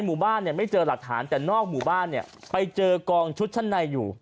หมู่บ้านเนี่ยไม่เจอหลักฐานแต่นอกหมู่บ้านเนี่ยไปเจอกองชุดชั้นในอยู่